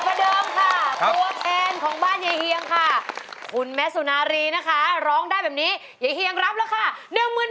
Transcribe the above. เปิดตระเดิมคะดัวเพลงของบ้านเยเฮียงค่ะคุณแม่สุนารีร้องได้แบบนี้เยเฮียงรับราคา๑๐๐๐๐บาท